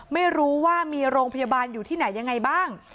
ไม่รู้ว่ามีโรงพยาบาลอยู่ที่ไหนยังไงบ้าง